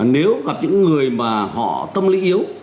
nếu gặp những người mà họ tâm lý yếu